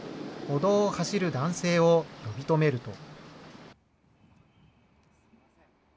歩道を走る男性を呼び止めると。